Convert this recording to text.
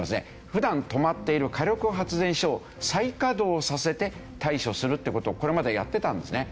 普段止まっている火力発電所を再稼働させて対処するという事をこれまではやっていたんですね。